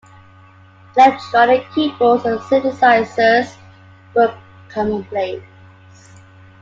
Electronic keyboards and synthesisers were commonplace.